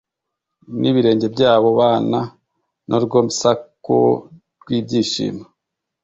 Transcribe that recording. n'ibirenge by'abo bana n'urwo msaku rw'ibyishimo.